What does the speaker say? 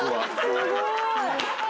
すごい！